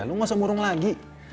lo gak usah murung lagi